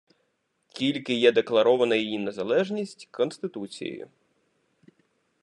Тільки є декларована її незалежність Конституцією.